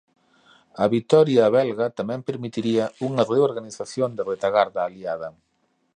A vitoria belga tamén permitiría unha reorganización da retagarda aliada.